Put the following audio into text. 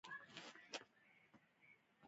د چپسو لپاره کچالو شته؟